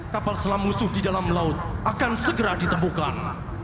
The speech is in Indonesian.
kapal selam musuh di dalam laut akan segera ditemukan